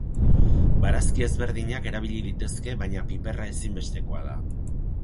Barazki ezberdinak erabili litezke baina piperra ezinbestekoa da.